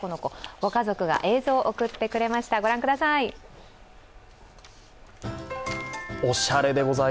ご家族が映像を送ってくれました、御覧ください。